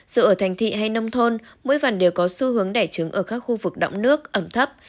dù ở thành thị hay nông thôn mỗi vằn đều có xu hướng đẻ trứng ở các khu vực đọng nước ẩm thấp